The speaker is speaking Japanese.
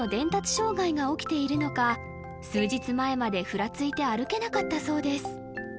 障害が起きているのか数日前までふらついて歩けなかったそうです